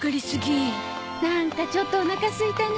なんかちょっとおなかすいたね。